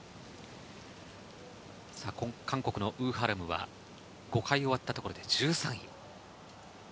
韓国のウ・ハラムは５回終わったところで１３位。